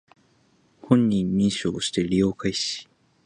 本人認証をして利用開始